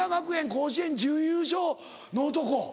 甲子園準優勝の男。